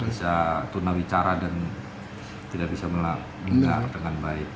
tidak bisa tunawicara dan tidak bisa melanggar dengan baik